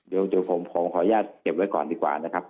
เดี๋ยวผมขออนุญาตเก็บไว้ก่อนดีกว่านะครับ